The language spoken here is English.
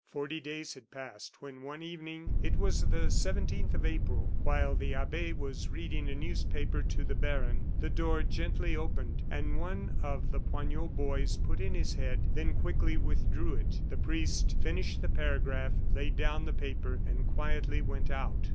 Forty days had passed, when one evening it was the 17th of April while the abbe was reading a newspaper to the baron, the door gently opened and one of the Poignot boys put in his head, then quickly withdrew it. The priest finished the paragraph, laid down the paper, and quietly went out.